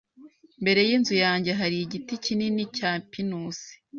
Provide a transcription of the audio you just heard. Mbere yinzu yanjye hari igiti kinini cya pinusi.